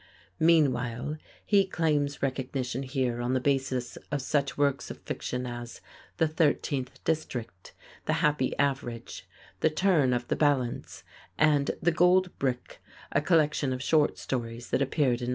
Meanwhile he claims recognition here on the basis of such works of fiction as "The Thirteenth District," "The Happy Average," "The Turn of the Balance," and "The Gold Brick," a collection of short stories that appeared in 1910.